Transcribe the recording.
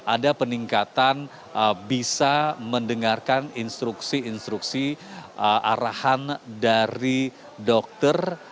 ada peningkatan bisa mendengarkan instruksi instruksi arahan dari dokter